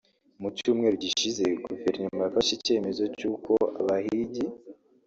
Mu cyumweru gishize guverinoma yafashe icyemezo cy’uko abahigi